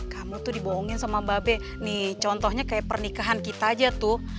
kamu tuh dibohongin sama mbak be nih contohnya kayak pernikahan kita aja tuh